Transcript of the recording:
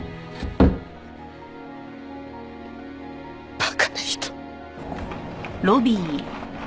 馬鹿な人。